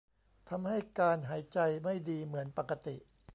ทำให้การหายใจไม่ดีเหมือนปกติ